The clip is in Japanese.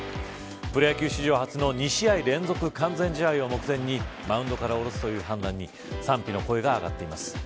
プロ野球史上初の２試合連続完全試合を目前にマウンドから降ろすという判断に賛否の声が上がっています。